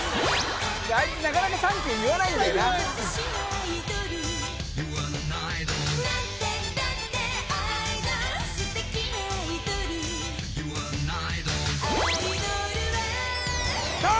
あいつなかなか「サンキュー」言わないんだよなさあ